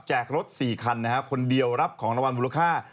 รถ๔คันนะฮะคนเดียวรับของรางวัลมูลค่า